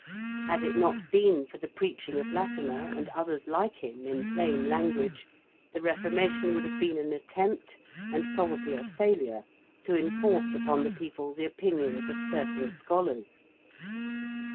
Had it not been for the preaching of Latimer and others like him in plain language, the Reformation would have been an attempt, and probably a failure, to enforce upon the people the opinions of certain scholars.